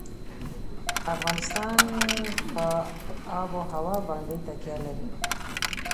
افغانستان په آب وهوا باندې تکیه لري.